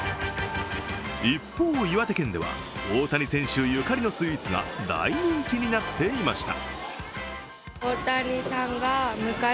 一方、岩手県では大谷選手ゆかりのスイーツが大人気になっていました。